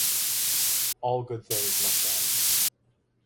All good things must end.